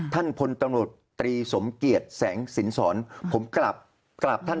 ท่านพลตำรวจฤยสมเกียจวแสงสินสรผมกราบ